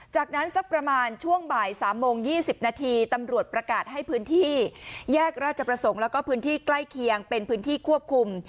จากนั้นสักประมาณช่วงบ่าย๓โมง๒๐นาทีตำรวจประกาศให้พื้นที่แยกราชประสงค์แล้วก็พื้นที่ใกล้เคียงเป็นพื้นที่ควบคุม